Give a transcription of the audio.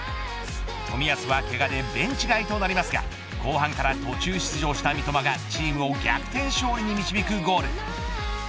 冨安はけがでベンチ外となりますが後半から途中出場した三笘がチームを逆転勝利に導くゴール。